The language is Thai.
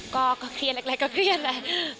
ก็เครียดแรกก็เครียดแหละ